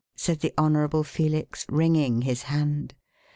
said the Honourable Felix, wringing his hand.